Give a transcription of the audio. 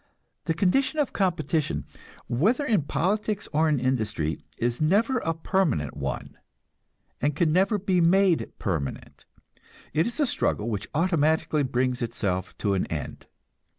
The condition of competition, whether in politics or in industry, is never a permanent one, and can never be made permanent; it is a struggle which automatically brings itself to an end.